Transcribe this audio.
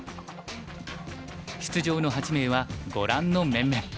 出場の８名はご覧の面々。